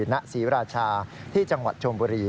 ณศรีราชาที่จังหวัดชมบุรี